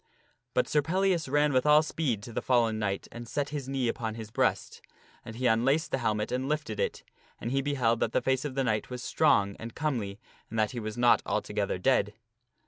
But Sir Pellias ran with all speed to the fallen knight and set his knee upon his breast. And he unlaced his helmet and lifted it. And he beheld that the face of the knight was strong and comely and that he was not altogether dead.